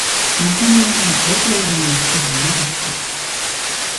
中庭には僕ら以外の人はいなかった